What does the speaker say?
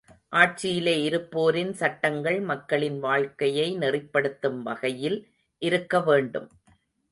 ஆட்சியிலே இருப்போரின் சட்டங்கள், மக்களின் வாழ்க்கையை நெறிப்படுத்தும் வகையில் இருக்கவேண்டும்.